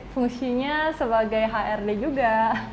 fungsinya sebagai hrd juga